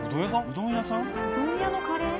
うどん屋のカレー？